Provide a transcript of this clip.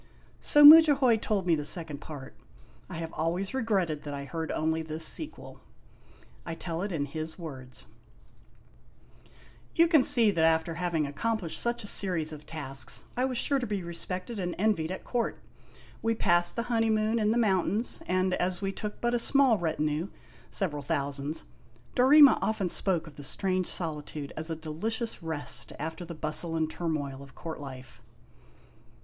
So Mudjahoy told me the second part. I have always regretted that I heard only this sequel. I tell it in his words : You can see that after having accomplished such a series of tasks I was sure to be respected and envied at court. We passed the honeymoon in the mountains, and as we took but a small retinue, several thousands, Dorema often spoke of the strange solitude as a delicious rest after the bustle and turmoil of court life.